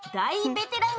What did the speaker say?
ベテラン？